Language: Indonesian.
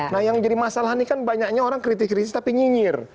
nah yang jadi masalah ini kan banyaknya orang kritis kritis tapi nyinyir